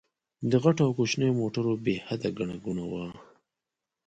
د غټو او کوچنيو موټرو بې حده ګڼه ګوڼه وه.